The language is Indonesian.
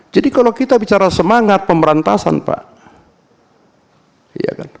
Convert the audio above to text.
jadi kalau kita bicara semangat pemerantasan pak